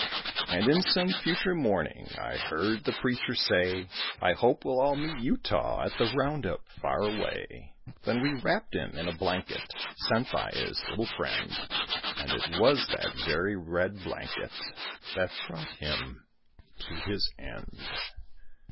"And in some future morning," I heard the preacher say, "I hope we'll all meet Utah at the round up far away." Then we wrapped him in a blanket sent by his little friend, And it was that very red blanket that brought him to his end.